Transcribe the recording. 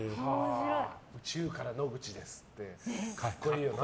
宇宙から野口ですって格好いいよね。